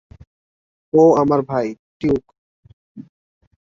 ও আমার ভাই, টিউক।